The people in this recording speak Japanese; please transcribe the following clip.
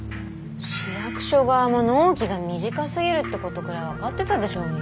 市役所側も納期が短すぎるってことくらい分かってたでしょうに。